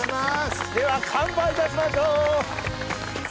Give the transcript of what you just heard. では乾杯いたしましょう。